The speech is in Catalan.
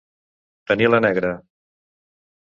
Tenir la negra.